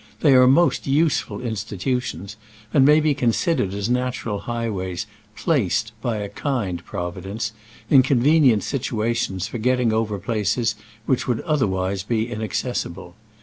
They are most useful institutions, and may be considered as natural highways placed, by a kind Providence, in con venient situations for getting over places which would otherwise be inaccessible.